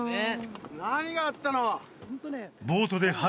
何があったの？